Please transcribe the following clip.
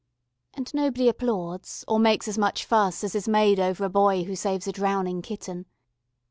And nobody applauds or makes as much fuss as is made over a boy who saves a drowning kitten.